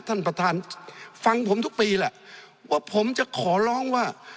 ท่านประธานฟังผมทุกปีแหละว่าผมจะขอร้องว่า